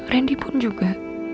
randy pun juga